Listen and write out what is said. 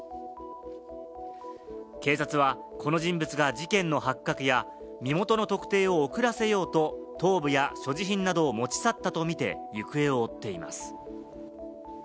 警察はこの人物が事件の発覚や身元の特定を遅らせようと、頭部や所持品などを持ち去ったとみて行方を追っています。